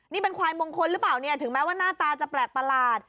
นี่เป็นควายมงคลหรือเปล่าเนี่ยถึงแม้ว่าหน้าตาจะแปลกประหลาด